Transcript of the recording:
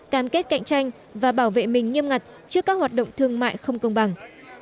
cam kết cạnh tranh và bảo vệ mình nghiêm ngặt trước các hoạt động thương mại không công bằng